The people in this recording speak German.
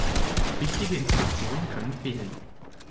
Wichtige Informationen können fehlen.